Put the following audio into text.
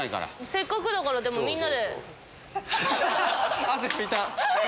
せっかくだからみんなで。